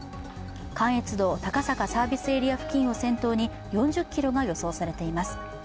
関越道高坂サービスエリア付近を先頭に４０ｋｍが予想されています。